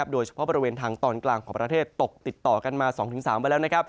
โดยเฉพาะบริเวณทางตอนกลางของประเทศตกติดต่อกันมา๒๓วันแล้ว